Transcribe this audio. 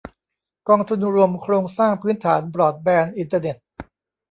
กองทุนรวมโครงสร้างพื้นฐานบรอดแบนด์อินเทอร์เน็ต